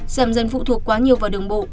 giảm dần phụ thuộc quá nhiều vào đường bộ